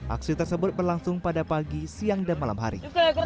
aksi tersebut berlangsung pada pagi siang dan malam hari